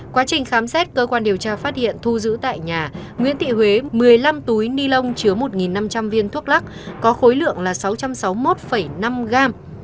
quá trình khám xét cơ quan điều tra phát hiện thu giữ tại nhà nguyễn thị huế một mươi năm túi ni lông chứa một năm trăm linh viên thuốc lắc có khối lượng là sáu trăm sáu mươi một năm gram